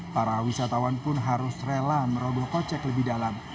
para wisatawan pun harus rela merogoh kocek lebih dalam